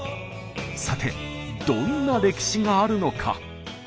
さてどんな歴史があるのか？